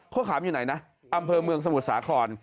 ขามอยู่ไหนนะอำเภอเมืองสมุทรสาคร